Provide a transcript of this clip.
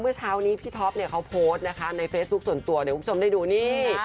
เมื่อเช้านี้พี่ท็อปเนี่ยเขาโพสต์นะคะในเฟซบุ๊คส่วนตัวเดี๋ยวคุณผู้ชมได้ดูนี่